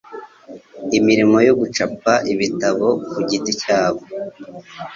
imirimo yo gucapa ibitabo ku giti cyabo